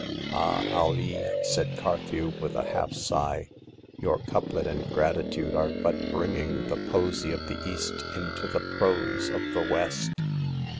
" "Ah, Alee," said Carthew, with a half sigh, ''your couplet and gratitude are but bringing the posey of the East into the prose of the West.